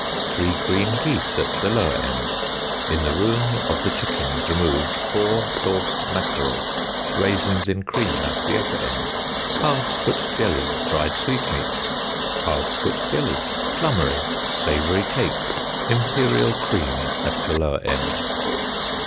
Three green gees at the lower end. In the room of the chickens removed, Four souced Mackerel. Rasins in cream at the upper end. Calves' foot jelly, dried sweetmeats, calves' foot jelly. Flummery, Savoy cakes. Imperial cream at the lower end.